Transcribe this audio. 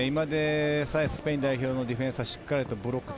スペイン代表のディフェンスはしっかりブロックを